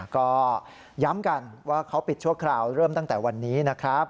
ก็ย้ำกันว่าเขาปิดชั่วคราวเริ่มตั้งแต่วันนี้นะครับ